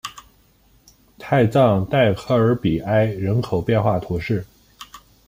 泰藏代科尔比埃人口变化图示